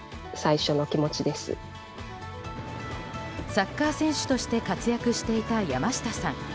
サッカー選手として活躍していた山下さん。